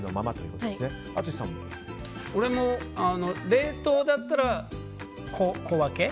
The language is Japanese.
俺も冷凍だったら小分け。